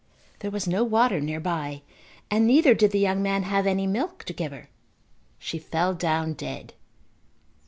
There was no water nearby and neither did the young man have any milk to give her. She fell down dead.